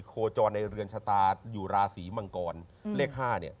โคจรในเรือนชะตาอยู่ราศีมังกรเลข๕เนี่ย